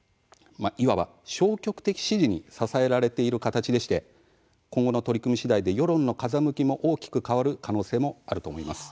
いわば、消極的支持に支えられている形でして今後の取り組みしだいで世論の風向きも大きく変わる可能性もあると思います。